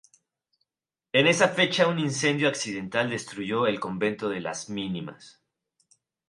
En esa fecha un incendio accidental destruyó el Convento de las Mínimas.